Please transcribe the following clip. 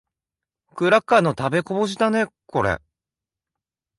クラッカーの食べこぼしだね、これ。